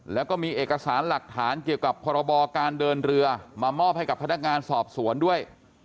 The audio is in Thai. แล้วก็มีเอกสารหลักฐานเกี่ยวกับพรบการเดินเรือมามอบให้กับพนักงานสอบสวนด้วย